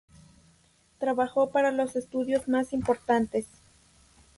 Trabajó para los estudios más importantes.